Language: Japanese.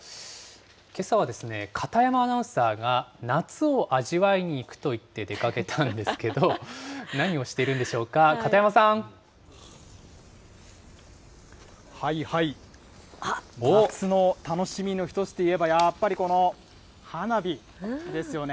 けさはですね、片山アナウンサーが、夏を味わいに行くと言って出かけたんですけど、何をしているんではいはい、夏の楽しみの一つといえば、やっぱりこの花火ですよね。